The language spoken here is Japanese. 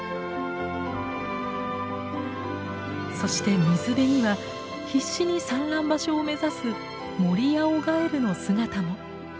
そして水辺には必死に産卵場所を目指すモリアオガエルの姿も。